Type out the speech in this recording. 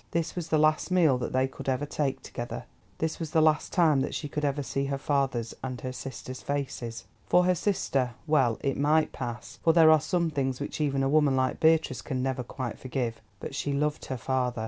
This was the last meal that they could ever take together, this was the last time that she could ever see her father's and her sister's faces. For her sister, well, it might pass—for there are some things which even a woman like Beatrice can never quite forgive—but she loved her father.